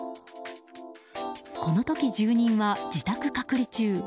この時、住人は自宅隔離中。